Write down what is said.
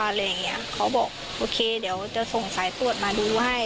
อะไรอย่างเงี้ยเขาบอกโอเคเดี๋ยวจะส่งสายตรวจมาดูให้